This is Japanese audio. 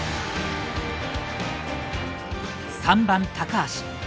３番・高橋。